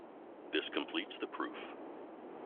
This completes the proof.